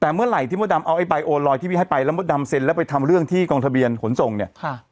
แต่เมื่อไหร่ที่มดดำเอาไอ้ใบโอลอยที่พี่ให้ไปแล้วมดดำเซ็นแล้วไปทำเรื่องที่กองทะเบียนขนส่งเนี่ยค่ะ